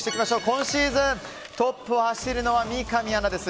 今シーズン、トップを走るのは三上アナです。